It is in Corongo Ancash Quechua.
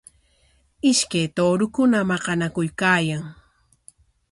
Ishkay tuurukuna maqanakuykaayan.